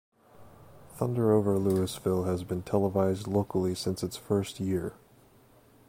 Thunder Over Louisville has been televised locally since its first year.